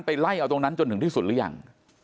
ไล่เอาตรงนั้นจนถึงที่สุดหรือยัง